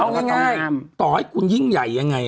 เอาง่ายต่อให้คุณยิ่งใหญ่ยังไง